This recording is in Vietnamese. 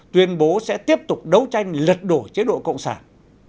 tuyên bố sẽ tiếp tục đấu tranh lật đổ chế độ cộng sản